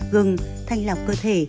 gừng thanh lọc cơ thể